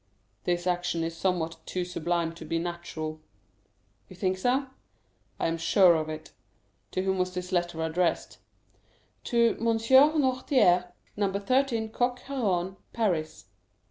'" "This action is somewhat too sublime to be natural." "You think so?" "I am sure of it. To whom was this letter addressed?" "To M. Noirtier, Rue Coq Héron, No. 13, Paris."